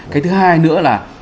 cái thứ hai nữa là